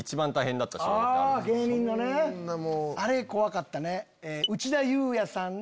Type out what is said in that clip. あれ怖かったね。